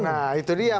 nah itu dia